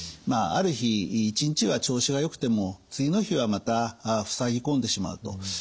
ある日一日は調子がよくても次の日はまたふさぎ込んでしまうと。